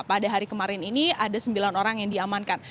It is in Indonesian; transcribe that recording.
pada hari kemarin ini ada sembilan orang yang diamankan